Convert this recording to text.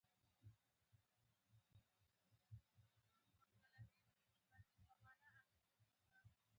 دا مهال زموږ موخه دا وه چې مسجد اقصی ته ورشو.